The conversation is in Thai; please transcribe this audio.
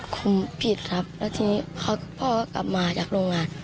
คุมผิดครับแล้วทีนี้พ่อกลับมาจากโรงงาน